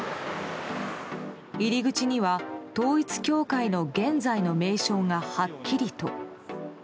入り口には統一教会の現在の名称がはっきりと。